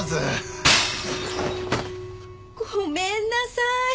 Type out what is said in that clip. ごめんなさい。